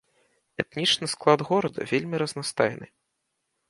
Этнічны склад горада вельмі разнастайны.